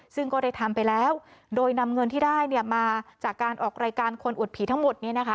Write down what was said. ซึ่งก็ได้ทำไปแล้วโดยนำเงินที่ได้มาจากการออกรายการคนอวดผีทั้งหมด